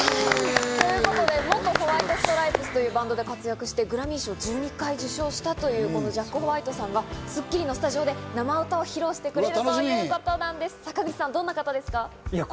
元ホワイト・ストライプスというバンドで活躍してグラミー賞を１２回受賞したというジャック・ホワイトさんが『スッキリ』のスタジオで生歌を披露してくれるということです。